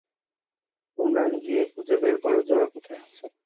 তোমরা গিয়ে খুঁজে বের করো যে ওরা কোথায় আছে।